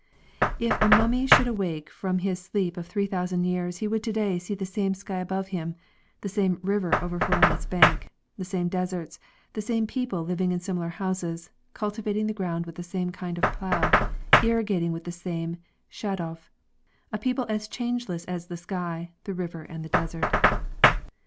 If a mummy should awake from his sleep of three thousand years he would today see the same sky above him, the same river overflowing its bank, the same deserts; the same people living in similar houses, cul tivating the ground with the same kind of plow, irrigating with the same shadoof—a people as changeless as the sky, the river and the desert.